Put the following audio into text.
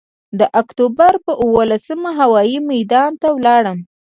د اکتوبر پر اوولسمه هوايي میدان ته ولاړم.